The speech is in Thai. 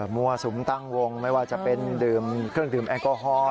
มั่วสุมตั้งวงไม่ว่าจะเป็นดื่มเครื่องดื่มแอลกอฮอล์